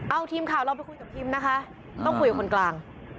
เอาทีมข่าวเราไปคุยกับทีมนะคะต้องคุยกับคนกลาง